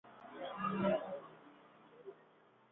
Él es expulsado de la escuela.